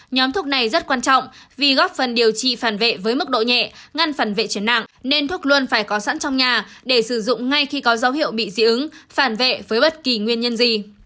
nhóm thuốc này rất quan trọng vì góp phần điều trị phản vệ với mức độ nhẹ ngăn phần vệ triển nặng nên thuốc luôn phải có sẵn trong nhà để sử dụng ngay khi có dấu hiệu bị dị ứng phản vệ với bất kỳ nguyên nhân gì